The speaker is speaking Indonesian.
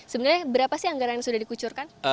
sebenarnya berapa sih anggaran yang sudah dikucurkan